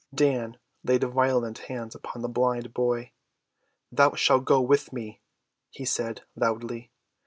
'"] Dan laid violent hands upon the blind boy. "Thou shalt go with me," he said loudly.